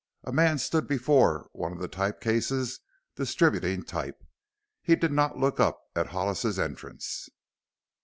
A man stood before one of the type cases distributing type. He did not look up at Hollis's entrance.